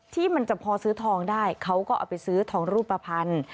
ที่มันจะพอซื้อทองได้เขาก็เอาไปซื้อทองรูปภัณฑ์